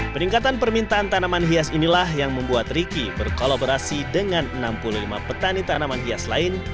peningkatan permintaan tanaman hias inilah yang membuat ricky berkolaborasi dengan enam puluh lima petani tanaman hias lain